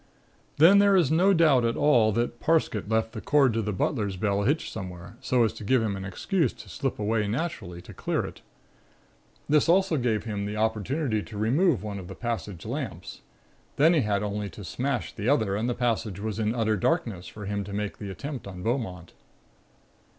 "Then, there is no doubt at all but that Parsket left the cord to the butler's bell hitched somewhere so as to give him an excuse to slip away naturally to clear it. This also gave him the opportunity to remove one of the passage lamps. Then he had only to smash the other and the passage was in utter darkness for him to make the attempt on Beaumont.